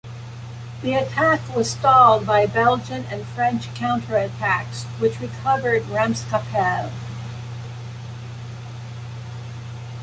The attack was stalled by Belgian and French counter-attacks which recovered Ramskapelle.